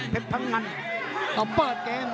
เผ็ดพังงันต้องเปิดเกม